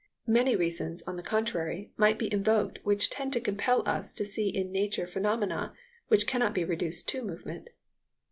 Many reasons, on the contrary, might be invoked which tend to compel us to see in nature phenomena which cannot be reduced to movement.